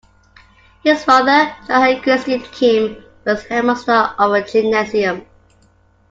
His father, Johann Christian Keim, was headmaster of a gymnasium.